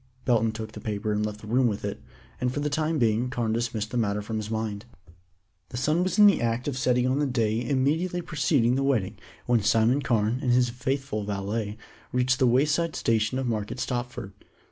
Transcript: Belton took the paper and left the room with it, and for the time being Carne dismissed the matter from his mind. The sun was in the act of setting on the day immediately preceding the wedding when Simon Carne and his faithful valet reached the wayside station of Market Stopford.